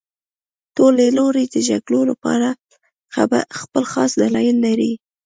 ټول لوري د جګړې لپاره خپل خاص دلایل لري